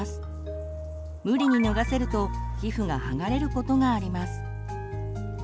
無理に脱がせると皮膚が剥がれることがあります。